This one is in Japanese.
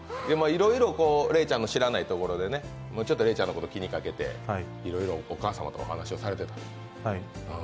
いろいろレイちゃんの知らないところでレイちゃんのこと気にかけていろいろお母様とお話をされていたと。